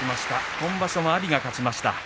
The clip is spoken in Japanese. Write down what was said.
今場所も阿炎が勝ちました。